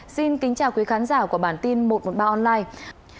xin kính chào quý khán giả của bản tin một trăm một mươi ba online